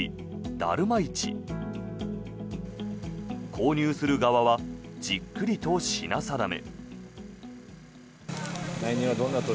購入する側はじっくりと品定め。